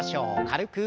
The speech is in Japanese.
軽く。